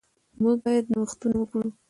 موږ باید نوښتونه وکړو.